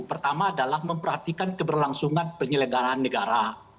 pertama adalah memperhatikan keberlangsungan penyelenggaraan negara